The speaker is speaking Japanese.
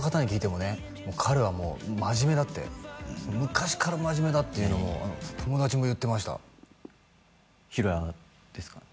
もう彼は真面目だって昔から真面目だっていうのを友達も言ってました尋也ですか？